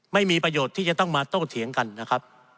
ไม่มีประโยชน์ที่จะต้องมาโต้เถียงกันนะครับ